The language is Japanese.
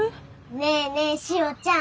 ねえねえしおちゃん